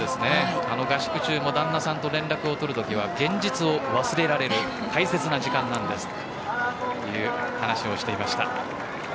合宿中も旦那さんと連絡を取るときは現実を忘れられる大切な時間なんですと話していました。